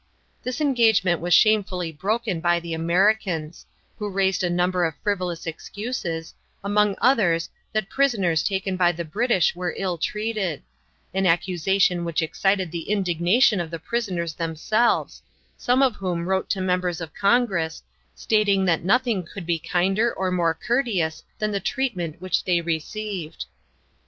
This engagement was shamefully broken by the Americans, who raised a number of frivolous excuses, among others that prisoners taken by the British were ill treated an accusation which excited the indignation of the prisoners themselves, some of whom wrote to members of Congress, stating that nothing could be kinder or more courteous than the treatment which they received.